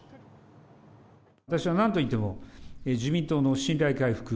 私はなんといっても、自民党の信頼回復。